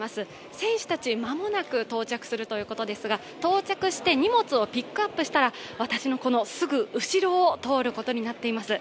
選手たち、間もなく到着するということですが到着して荷物をピックアップしたら私のすぐ後ろを通ることになっています。